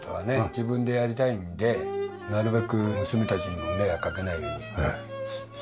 自分でやりたいのでなるべく娘たちにも迷惑かけないように生活してます。